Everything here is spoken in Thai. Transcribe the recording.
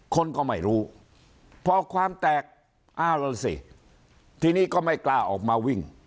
คนก็ไม่รู้พอความแตกอ้าวแล้วสิทีนี้ก็ไม่กล้าออกมาวิ่ง